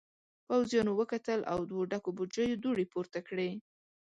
پوځيانو وکتل او دوو ډکو بوجيو دوړې پورته کړې.